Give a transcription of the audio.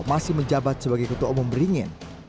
masih menjabat sebagai ketua umum beringin